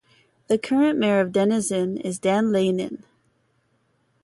The current mayor of Denison is Dan Leinen.